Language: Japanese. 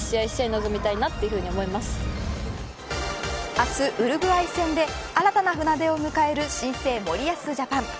明日ウルグアイ戦で新たな船出を迎える新生森保ジャパン。